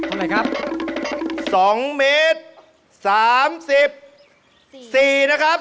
เมตรเมตรสองเมตรสามสิบสี่นะครับ